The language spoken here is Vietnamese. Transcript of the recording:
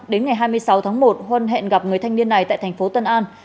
đến ngày hai mươi sáu tháng một huân hẹn gặp người thanh niên này tại thành phố tân an